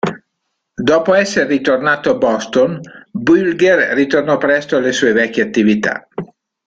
Dopo essere ritornato a Boston, Bulger ritornò presto alle sue vecchie attività.